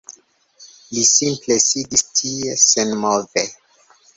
Li simple sidis tie, senmove.